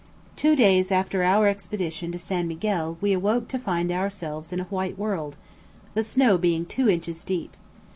Two days' after our expedition to San Miguel we awoke to find ourselves in a "white world," the snow being two inches deep.